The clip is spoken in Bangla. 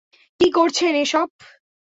কি করছেন এসব?